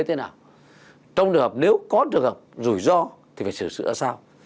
trong trường hợp nếu có trường hợp rủi ro thì phải sửa sửa sao